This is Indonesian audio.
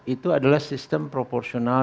itu adalah sistem proporsional